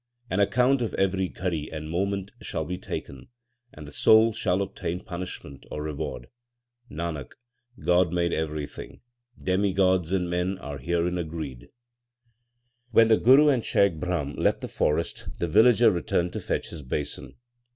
An account of every ghari and moment shall be taken, and the soul shall obtain punishment or reward. Nanak, God made everything, demigods and men are herein agreed. 1 When the Guru and Shaikh Brahm left the forest the villager returned to fetch his basin.